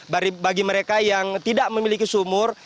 bagi mereka yang tidak memiliki sumur